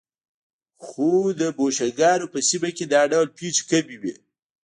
خو د بوشنګانو په سیمه کې دا ډول پېښې کمې وې.